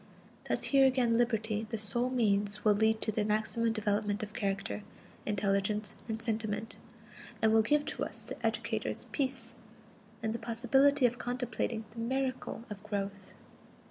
Thus here again liberty, the sole means, will lead to the maximum development of character, intelligence and sentiment; and will give to us, the educators, peace, and the possibility of contemplating the miracle of growth.